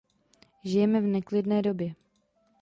Žijeme v neklidné době.